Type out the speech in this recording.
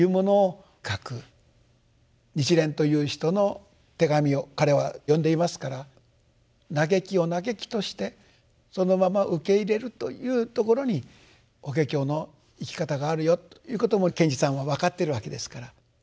日蓮という人の手紙を彼は読んでいますから嘆きを嘆きとしてそのまま受け入れるというところに「法華経」の生き方があるよということも賢治さんは分かってるわけですから。